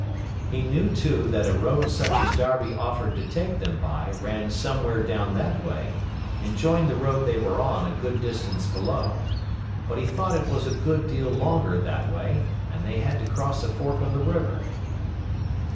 He knew, too, that a road such as Darby offered to take them by ran somewhere down that way and joined the road they were on a good distance below; but he thought it was a good deal longer way and they had to cross a fork of the river.